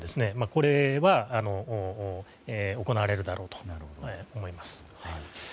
これは行われるだろうと思います。